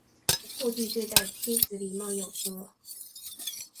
顾悌对待妻子礼貌有则。